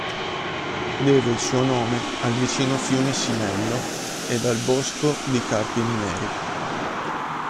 Deve il suo nome al vicino fiume Sinello ed al bosco di carpini neri.